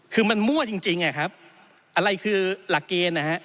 คือมันมั่วจริงอะครับอะไรคือหลักเกณฑ์นะฮะ